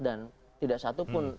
dan tidak satupun